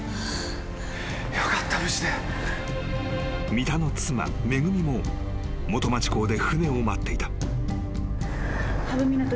［三田の妻恵も元町港で船を待っていた］